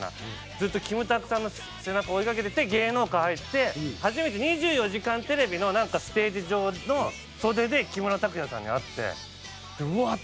ずっとキムタクさんの背中を追いかけてて芸能界入って初めて『２４時間テレビ』のステージ上の袖で木村拓哉さんに会ってうわっ！